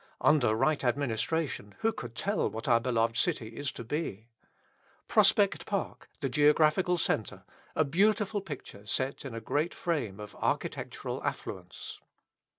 Under right administration who could tell what our beloved city is to be? Prospect Park, the geographical centre, a beautiful picture set in a great frame of architectural affluence.